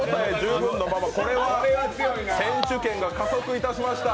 選手権が加速いたしました。